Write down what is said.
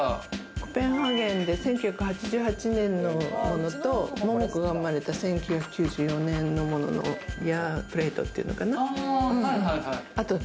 コペンハーゲンで１９８８年のものと、桃子が生まれた１９９４年のものを、イヤープレートっていうのかな。